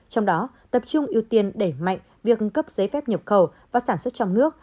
trong đó tập trung ưu tiên đẩy mạnh việc cấp giấy phép nhập khẩu và sản xuất trong nước